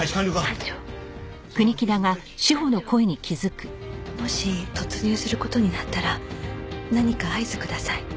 「班長」もし突入する事になったら何か合図ください。